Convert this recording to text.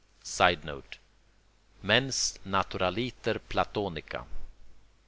[Sidenote: Mens naturaliter platonica.